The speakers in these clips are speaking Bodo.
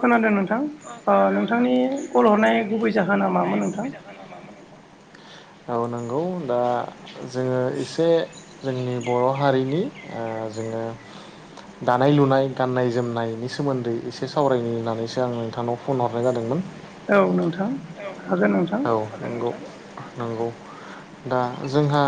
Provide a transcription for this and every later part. खोनादों नोंथां। ओ नोंथांनि कल हरनाय गुबै जाहोना मामोन नोंथां? [inaudible] औ नंगौ दा जोङो एसे जोंनि बर' हारिनि ओ जोङो दानाय लुनाय गान्नाय जोमनायनि सोमोन्दै, एसे सावरायनो होननानैसो आं नोंथांनाव फन हरनाय जादोंमोन। औ नंगौ नंगौ। दा जोंहा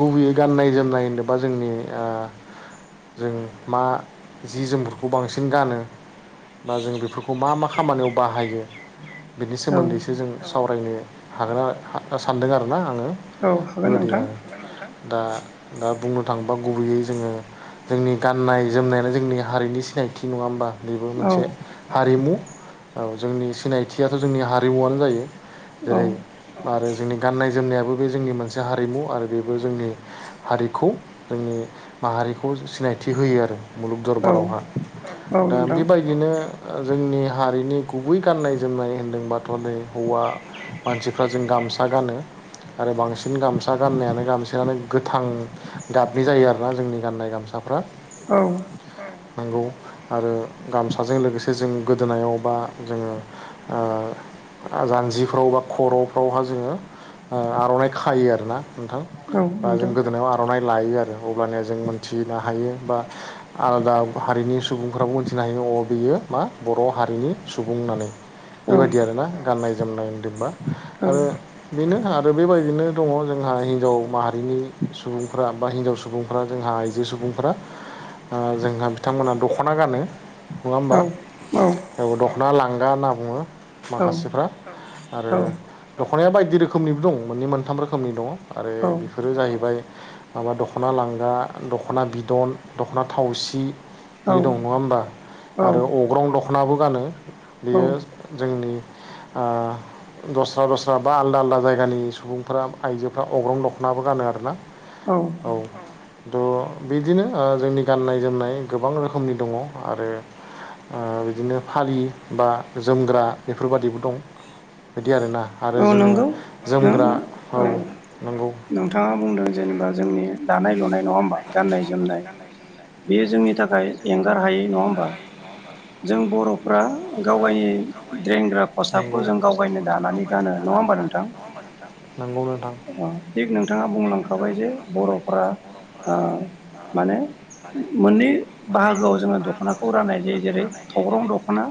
गुबैयै गाननाय जोमनाय होननो बा जोंनि ओ जों मा जि जोमफोरखौ बांसिन गानो बा जों बेफोरखौ मा मा खामानियाव बाहायो बेनि सोमोन्दैसो जों सावरायनो, हागोना सानदों आरो ना? बेबायदि दा दा बुंनो, थांबा गुबैयै जोङो जोंनि गाननाय जोमनायानो जोंनि हारिनि सिनायथि नङा होमबा? मोनसे हारिमु औ जोंनि सिनायथियाथ' जोंनि हारिमुवनो जायो। जेरै आरो जोंनि गाननाय जोमनायाबो बे जोंनि मोनसे हारिमु आरो बेबो जोंनि, हारिखौ जोंनि माहारिखौ सिनायथि होयो आरो मुलुग दरबारावहा दा बे [unintelligible] जोंनि हारिनि गुबै गाननाय जोमनाय होनदोंबाथ' नै हौवा, मानसिफ्रा जों गामसा गानो। आरो बांसिन गामसा गाननायानो गामसायानो गोथां गाबनि जायो आरोना जोंनि गाननाय गामसाफ्रा। औ नंगौ आरो गामसाजों लोगोसे जों गोदोनायाव बा जोङो ओ आ जान्जिफ्राव बा खर'फ्रावहा जोङो ओ आर'नाइ खायो आरोना? नोंथां बा जों गोदोनायाव आर'नाइ लायो आरो अब्लानिया जों मोनथिनो हायो बा आलादा हारिनि सुबुंफ्राबो मोनथि सिनायहैनो अ बियो मा बर' हारिनि सुबुं होननानै बेबायदि आरोना? गाननाय जोमनायदोंबा आरो बेनो आरो बेबायदिनो दङ जोंहा हिनजाव माहारिनि सुबुंफ्रा बा हिनजाव सुबुंफ्रा जोंहा आइजो, सुबुंफोरा ओ जोंहा बिथांमोना दख'ना गानो। औ औ दख'ना लांगा होनना बुङो माखासेफ्रा आरो दख'नाया बायदि रोखोमनिबो दं मोननै मोनथाम रोखोमनि दङ आरो बेफोरो जाहैबाय माबा दख'ना लां गा दख'ना बिदन दख'ना थावसि बिदि दं नङा होमबा? आरो अग्रं दख'नाबो गानो बेयो जोंनि दस्रा दस्रा बा आलदा आलदा जायगानि सुबुंफ्रा आइजोफ्रा अग्रं दख'नाबो गानो आरोना, औ, द'बिदिनो ओ जोंनि गाननाय जोमनाय गोबां रोखोमनि दङ। आरो बिदिनो ओ फालि बा जोमग्रा बेफोरबादिबो दं। बिदि आरोना। औ नंगौ नो औ नोंथाङा बुंदों, जेनेबा जोंनि दानाय लुनाय नङा होमबा गाननाय जोमनाय। बेयो जोंनि थाखाय एंगार हायै नङा होमबा? जों बर'फ्रा गाव गायनि देंग्रा खसाबखौ जों गाव गायनो दानानै नङा होमबा नोंथां थिग नोंथाङा बुंलांखाबाय जे बर'फोरा, ओ माने मोननै बाहागोआव जोङो दख'नाखौ राननाय जायो जों जेरै थग्रं दख'ना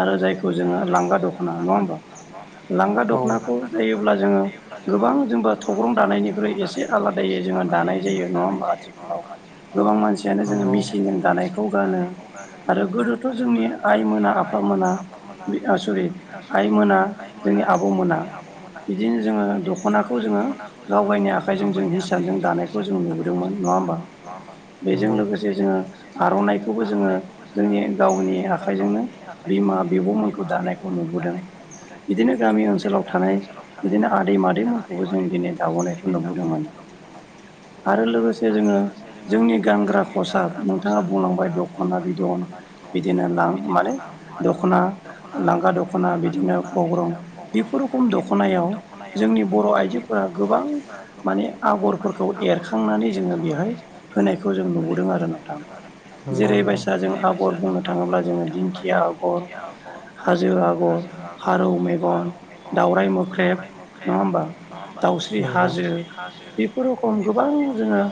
आरो जायखौ जोङो लांगा जोङो लांगा द'खना नङा ओनबा, लांगा दख'नाखौ जायोब्ला जोङो गोबां जोंबा थग्रं दानायनिख्रुइ एसे आलादायै जोङो, दानाय जायो नंङा होमबा आथिखालाव गोबां मानसियानो जोङो मेचिनजों दानायखौ गानो। आरो गोदोथ' जोंनि आइ मोना आफा मोना आ सरि आइ मोना। जोंनि आबौ मोना बिदिनो जोङो दख'नाखौ जोङो गाव गायनि आखाइजों जों हिसान जों। दानायखौ जों नुबोदोंमोन नङा होमबा? बेजों लोगोसे जोङो आर'नाइखौबो जोङो जोंनि गावनि आखाइजोंनो बिमा बिब'मोनखौ दानायखौ नुबोदों। बिदिनो गामि ओनसोलाव थानाय बिदिनो आदै मादैमोनखौबो जों दिनै दाबोनायखौ नुबोदों माने आरो लोगोसे जोङो जोंनि गानग्रा खसाब नोंथाङा बुंलांबाय दख'ना बिदन बिदिनो लां माने दख'ना लांगा दख'ना बिदिनो अग्रं बेफोर रखम दख'नायाव जोंनि बर' आइजोफोरा गोबां माने आ नंगौ नोंथां। दा जों आगर बुंनो थाङोब्ला जोङो दिंखिया आगर, हाजो आगर, फारौ मेगन दावराइ मोख्रेब नङा होमबा दाउस्रि हाजो बेफोर रोखम गोबां जोङो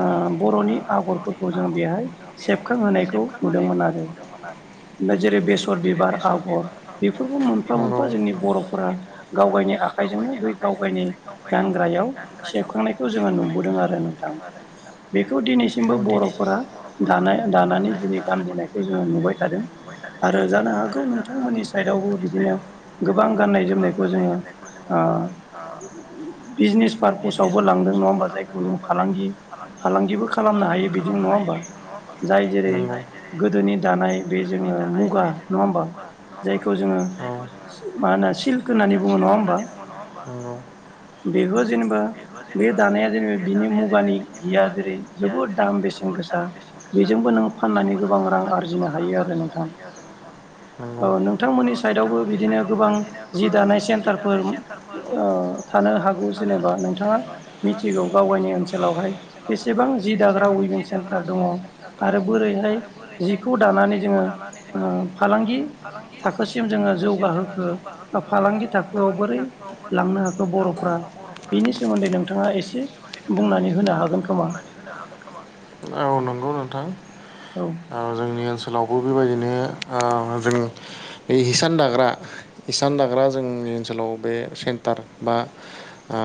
ओ बर'नि आगरफोरखौ जों बेहाय सेबखां सेबखां होनायखौ नुनो मोनो आरो। बे जेरै बेसर बिबार आगर बेफोरखौ मोन मोनफा मोनफा जोंनि बर'फोरा गाव गायनि आखाइजोंनो बै गाव गायनि गानग्रायाव सुखांनायखौ जोङो नुबोदों आरो नोंथां। बेखौ दिनैसिमबो बर'फोरा दानाय दानानै दिनै गानबोनायखौ जोङो नुबाय थादों आरो जानो हागौ नोंथांमोननि साइडआवबो बिदिनो गोबां गाननाय जोमनायखौ जोङो ओ बिजनेस पार्पसावबो लांदों नङा होमबा जायखौ जों फालांगि फालांगिबो खालामनो हायो बिदिनो नङा होनबा, जाय जेरै गोदोनि दानाय बे जोङो मुगा नङा होमबा? जायखौ जोङो मा होनो सिल्क होननानै बुङो नङा होमबा? बेबो जेनेबा बे दानाया जेनेबा बिनि मुगानि जिया जेरै जोबोद दाम बेसेन गोसा बेजोंबो नों फाननानै गोबां रां आरजिनो हायो आरो नोंथां ओ नोंथांमोननि साइदआवबो बिदिनो गोबां जि दानाय सेन्टारफोर ओ थानो हागौ जेनेबा नोंथाङा मिथिगौ गाव गावनि ओनसोलावहाय बेसेबां जि दाग्रा उइभिं सेन्टार दङ आरो बोरैहाय जिखौ दानानै जोङो ओ फालांगि थाखोसिम जोङो जौ जोङो जौगाहोखो बा फालांगि थाखोआव बोरै लांनो हाखो बर'फोरा औ नंगौ नोंथां। ओ जोंनि ओनसोलावबो बेबायदिनो ओ जों बे हिसान दाग्रा हिसान दाग्रा जोंनि ओनसोलाव बे सेन्टार बा ओ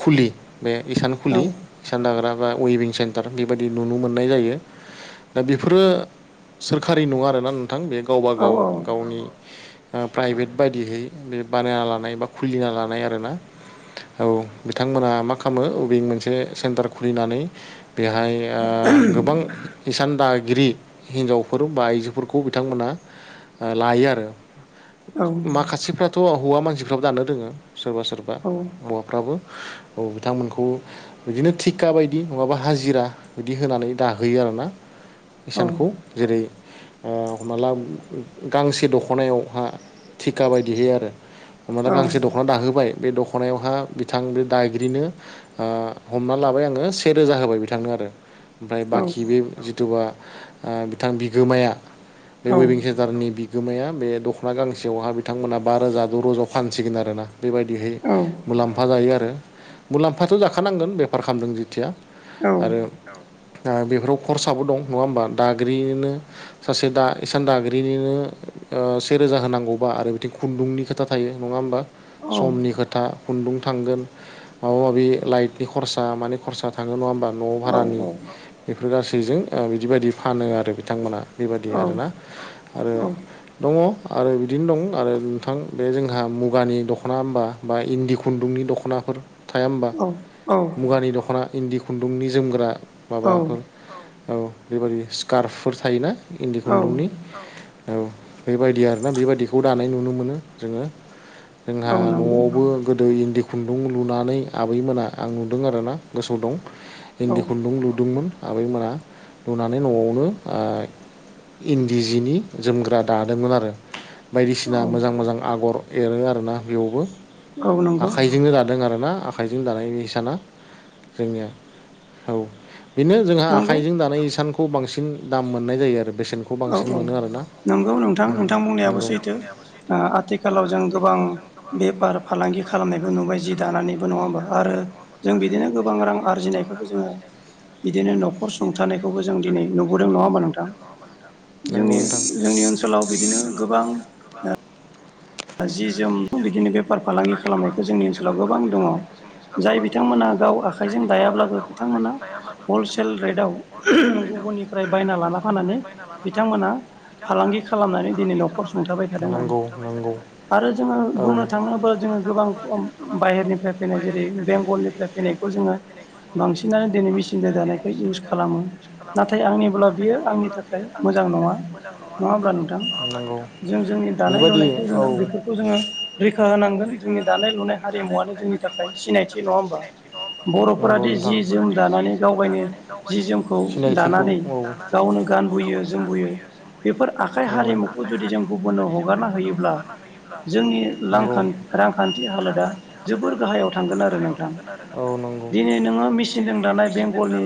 खुलि बे इसान खुलि इसान दाग्रा एबा उइभिं सेन्टार बेबायदि नुनो मोननाय जायो। दा बेफोरो सोरखारि नङा आरोना नोंथां बे गावबा गाव गावनि ओ प्राइभेट बायदियै बे बानायना लानाय बा खुलिना लानाय आरोना। औ बिथांमोना मा खालामो उइभिं मोनसे सेन्टार खुलिनानै बेहाय ओ गोबां इसान दा गिरि हिन्जावफोर बा आइजोफोरखौ बिथांमोना ओ लायो आरो। माखासेफ्राथ' हौवा मानसिफ्राबो दानो रोङो सोरबा सोरबा हौवाफ्राबो औ बिथांमोनखौ बिदिनो थिखा बायदि नङाबा हाजिरा बिदि होनानै दाहोयो आरो ना इसानखौ जेरै ओ हमना ला गांसे दख'नायावहा थिखा बायदिहै आरो हमनाला गांसे दख'ना दाहोबाय बे दख'नायावहा बिथां बे दागिरिनो ओ हमना लाबाय आङो से रोजा होबाय बिथांनो ओमफ्राय बाखि बे जिथुबा ओ बिथां बिगोमाया औ। बिगोमाया बे दख'ना गांसेयावहा बिथांमोना बा रोजा द' रोजायाव फानसिगोन आरोना बेबायदिहै मुलाम्फा जायो आरो। मुलाम्फाथ' जाखानांगोन बेफार खालामदों जेथिया आरो दा बेफोराव खरसाबो दं नङा होमबा दागिरिनो सासे दा इसान दागिरि नो ओ सेरोजा होनांगौबा आरो बिथिं खुन्दुंनि खोथा थायो नङा होमबा? समनि खोथा खुन्दुं थांगोन, माबा - माबि लाइटनि खरसा, मानिे खरसा थाङो नङा होमबा! न' भारानि बेफोर गासैजों ए बिदिबायायदि फानो, आरो बिथांमोना बेबादि आरोना, आरो दङ। आरो बिदिनो दं! आरो नोंथां, बे जोंहा मुगानि दख'ना ओमबा इन्दि खुन्दुंनि दख' दख'ना फोर थाया होमबा मुगानि दख'ना इन्दि खुन्दुंनि जोमग्रा माबाफोर औ, बेबदि स्कार्फफोर थायोना इन्दि खुन्दुंनि, औ, बेबायदि आरोना बेबायदिखौ दानाय नुनो मोनो जोङो जोंहा, न'आवबो गोदो इन्दिखौ खुन्दुं लुनानै आबैमोना, आं नुदों आरोना गोसो दं इन्दि खुन्दुं लुदोंमोन आबैमोना लुनानै न'आवनो औ इन्दि दि जिनि जोमग्रा दादोंमोन आरो बायदिसिना मोजां मोजां आगर एरो आरोना, बेयावबो आखाइजोंनो दादों आरोना! आखाइजों दानायबे हिसाना जोंनिया औ बेनो जोंहा आखाइजों दानाय हिसानखौ बांसिन दाम मोननाय जायो आरो बेसेन औ, औ, नंगौ! नोंथां नोंथां बुंनायाबो सैथो, आथिखालाव जों गोबां! बेफार! फालांगि खालामनायखौ नुबाय, जि दानानैबो नङाओमबा, आरो जों बिदिनो गोबां रां आरजिनायखौबो जोङो! बिदिनो न'खर सुंथानायखौबो जों दिनै नुबोदों नङा होमबा, नोंथां! जोंनि जोंनि ओनसोलाव बिदिनो गोबां ओ, जि, जोम बिदिनो बेफार बेफार फालांगि खालामनायखौ जोंनि ओनसोलाव गोबां दङ' जाय बिथांमोना गाव आखाइजों दायाब्लाबो बिथांमोना! बिथांमोना हलसेल रेटआव आहम गुबगुननिफ्राय बायना लाना फानानानै बिथांमोना! फालांगि खालामनानै दिनै न'खर सुंथाबाय थादों आरो आरो जोङो बुंनो थाङोब्ला! थाङोबा जोंङो गोबां ओ बाहेरनिफ्राय फैनाय जेरै बेंगलनिफ्राय फैनायखौ जोङो बांसिन! बांसिआनो दिनै मेसिन जों दानायखौ इउस खालामो, नाथाय आंनिब्ला बियो आंनि थाखाय मोजां नङा! नंङा ओमब्ला नोंथां जों जोंनि दानाय लुनायखौ! जों बेफोरखौ जोङो रैखा होनांगौ रैखा होनांगोन जोंनि दानाय लुनाय हारिमुआनो जोंनि थाखै सिनायथि नंआ ओमबा नंगौ नोंथां दानानै गाव-गावनो जि जोमखौ दानानै गावनो गानबोयो जोमबोयो! बेफोर आखाइ हारिमुखौ जुदि जों गुबुननो हगारना होयोब्ला जोंनि लांखान्थि! रांखान्थि हालोदा जोबोर गाहायाव थांगोन आरो नोंथां दिनै नोङो मेचिनजों! दानाय बेंगलनि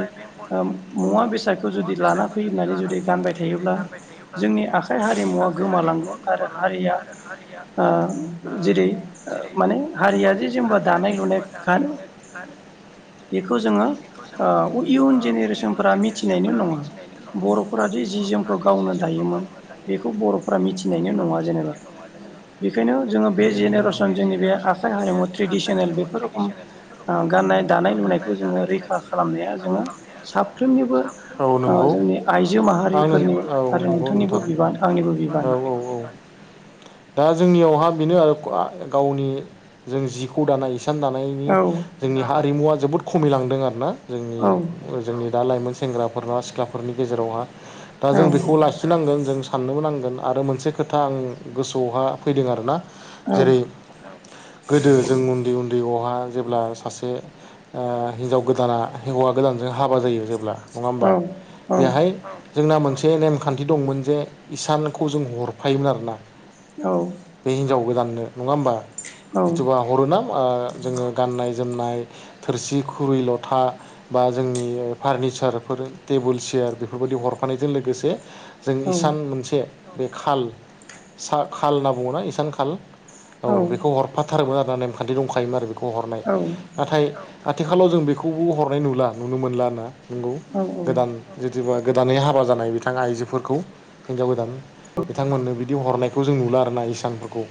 मुवा बेसादखौ जुदि लाना फै, होननानै जुदि गानबाय थायोब्ला! जोंनि आखाइ हारिमुवा गोमालांगोन आरो हारिया ओ जेरै! ओ माने हारिया जे जेनेबा दानाय लुनाय गानो! बेखौ जोंङो इयुन जेनेरेसनफोरा मिथिनायल' नंङा बर'फोरा आ जि! जि, जोमखौ गावनो दायोमोन, बेखौ बर'फोरा मिथिनायनो नंङा जेनेबा! बेखायनो जोंङो बे जि! जेनेरेसन जोंनि बे आखाइ हारिमु ट्रेडिसनेल बेफोर रोखम गाननाय दानाय लुनायखौ जोङो! रैखा खालामनाया जोंङो साफ्रोमनिबो ओ जोंनि आइजो माहारि फोरनि! आरो नोंथांनिबो बिबान आंनिबो बिबान! दा जोंनियावहा बेनो आरो गावनि जों जिखौ दानाया एसे हिसान दानायनि जोंनि हारिमु जोबोद खमिलांदों आरोना जोंनि दा लाइमोन सिख्ल! सेंग्राफोर नंआ सिख्लाफोरनि गेजेरावहा दा जों बेखौ लाखिनांगोन जों! साननोबो नांगोन आरोआं मोनसे खोथा आं गोसोआवहा फैदों आरोना! जेरै, गोदो जों उन्दै, उन्दै, आव हा जेब्ला सासे ओ हिनजाव गोदाना हिौवा गोदानजों हाबा जायो जेब्ला नङा, होमबा बेहाय जोंना मोनसे! एसे नेमखान्थि दंमोन जे इसानखौ जों हरफायोमोन आरोना बे हिनजाव गोदाननो नङा होमबा जिथुबा हरो ना आ जोङो गाननाय जोमनाय थोरसि खुरै लथा बा जोंनि फारनिसारफोर टेबुल सि सियार बेफोरबायदि हरफानायजों लोगोसे जों इसान मोनसे बे खाल सा खाल होनना बुङोना इसान खाल। औ बेखौ हरफाथारोमोन आरो नेमखान्थि दंखायोमोन आरो बेखौ हरनाय नाथाय आथिखालाव जों बेखौबो हरनाय नुला नुनो मोनला ना नोंगौ गोदान जेथबा गोदानै हाबा जानाय बिथां आइजोफोरखौ हिनजाव गोदान बिथांमोननो बिदि हरनाय खौ जों नुला आरोना इसानफोरखौ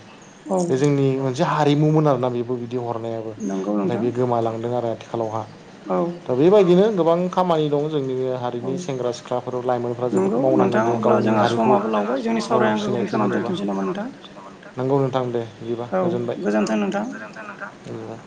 बे जोंनि मोनसे हारिमु मोन आरोना बेबो बिदि हरनायाबो नाथाय बे गोमालांदों आरो आथिखालावहा दा बेबायदिनो गोबां खामानि दं। जोंनि हारिनि सेंग्रा सिख्लाफोराव लाइमोनफोरा जोबोद मावनांगोन जों गावनि हारिखौ औ [unintelligible] नंगौ नोंथां दे बिदिबा गोजोनबाय औ।